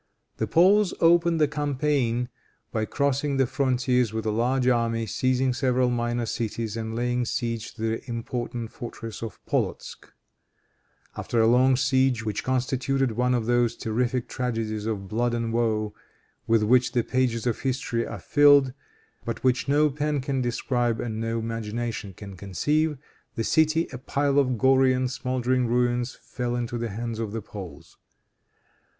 The Poles opened the campaign by crossing the frontiers with a large army, seizing several minor cities and laying siege to the important fortress of Polotzk. After a long siege, which constituted one of those terrific tragedies of blood and woe with which the pages of history are filled, but which no pen can describe and no imagination can conceive, the city, a pile of gory and smouldering ruins, fell into the hands of the Poles.